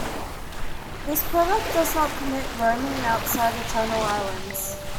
This product does not permit roaming outside the Channel Islands.